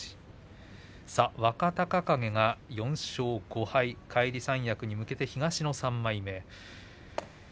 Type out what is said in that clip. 若隆景、返り三役に向けて東の３枚目。